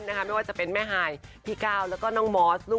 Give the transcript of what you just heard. ไม่ว่าจะเป็นแม่ฮายพี่ก้าวแล้วก็น้องมอส